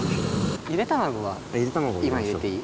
ゆで卵は今入れていい？